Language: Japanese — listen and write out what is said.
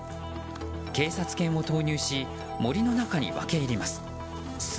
警察犬を投入し森の中に分け入ります。